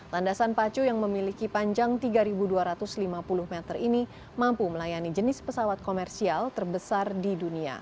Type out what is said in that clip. landasan pacu yang memiliki panjang tiga dua ratus lima puluh meter ini mampu melayani jenis pesawat komersial terbesar di dunia